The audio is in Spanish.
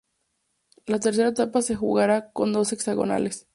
La tercera etapa se jugará con dos hexagonales.